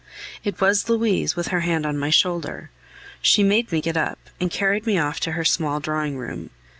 It was Louise, with her hand on my shoulder. She made me get up, and carried me off to her small drawing room.